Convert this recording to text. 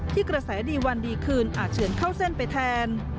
กระแสดีวันดีคืนอาจเฉือนเข้าเส้นไปแทน